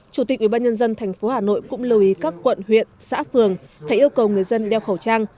chủ tịch ubnd tp hà nội cũng lưu ý các quận huyện xã phường phải yêu cầu người dân đeo khẩu trang